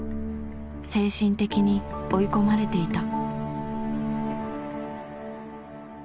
精神的に追い込まれていた。